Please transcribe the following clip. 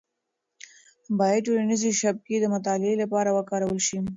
باید ټولنیز شبکې د مطالعې لپاره وکارول شي.